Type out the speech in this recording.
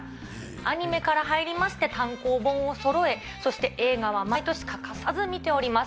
アニメから入りまして、単行本をそろえ、そして映画は毎年欠かさず見ております。